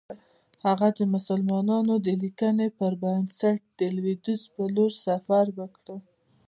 هغه د مسلمانانو د لیکنو پر بنسټ لویدیځ پر لور سفر وکړ.